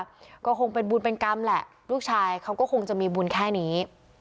ก็คงเป็นบุญเป็นกรรมแหละลูกชายเขาก็คงจะมีบุญแค่นี้